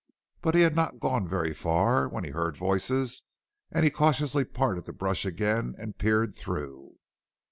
But he had not gone very far when he heard voices and he cautiously parted the brush again and peered through.